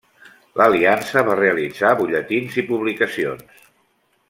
L'Aliança va realitzar butlletins i publicacions.